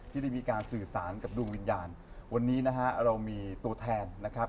ที่ได้มีการสื่อสารกับดวงวิญญาณวันนี้นะฮะเรามีตัวแทนนะครับ